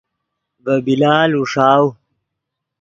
ڤے بلال اوݰاؤ